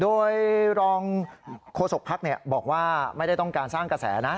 โดยรองโฆษกภักดิ์บอกว่าไม่ได้ต้องการสร้างกระแสนะ